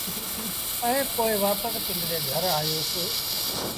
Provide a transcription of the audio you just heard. ائيٚݩ پو وآپس پنڊري گھر آيوس۔